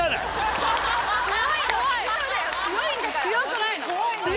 強くないの。